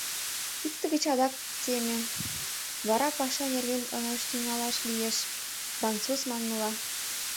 Икте гыч адак теме, вара паша нерген мутланаш тӱҥалаш лиеш, француз манмыла.